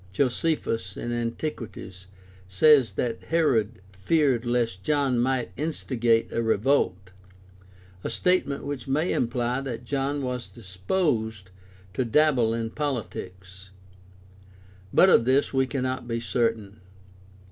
Josephus (Ant., XVIII, v, 2) says that Herod feared lest John might instigate a revolt, a statement which may imply that John was disposed to dabble in poHtics. But of this we cannot be certain.